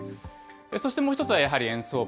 そしてもう一つはやはり円相場。